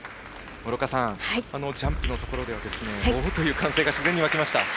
諸岡さん、ジャンプのところではおおという歓声が自然に沸きました。